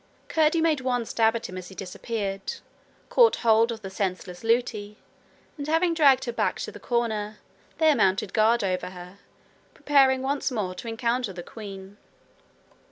Curdie made one stab at him as he disappeared, caught hold of the senseless Lootie, and having dragged her back to the corner, there mounted guard over her, preparing once more to encounter the queen.